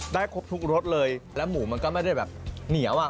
ครบทุกรสเลยแล้วหมูมันก็ไม่ได้แบบเหนียวอ่ะ